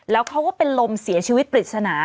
แล้วเขาก็เป็นลมเสียชีวิตปริศนา